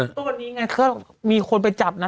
แต่ตอนนี้ไงเค้ามีคนไปจับนะ